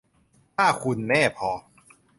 ถ้าคุณแน่พอ